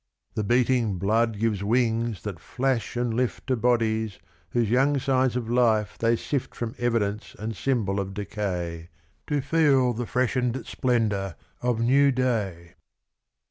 The beating blood gives wings that flash and Uft To bodies whose young signs of Ufe they sift From evidence and symbol of decay To feel the freshened splendour of new day.